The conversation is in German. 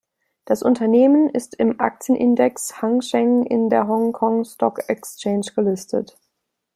Das Unternehmen ist im Aktienindex Hang Seng an der Hong Kong Stock Exchange gelistet.